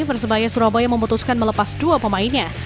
persebaya surabaya memutuskan melepas dua pemainnya